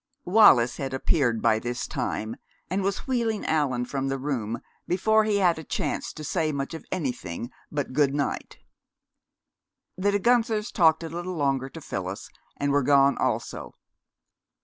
Wallis had appeared by this time, and was wheeling Allan from the room before he had a chance to say much of anything but good night. The De Guenthers talked a little longer to Phyllis, and were gone also.